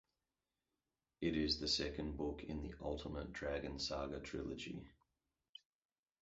It is the second book in the Ultimate Dragon Saga trilogy.